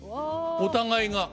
お互いが。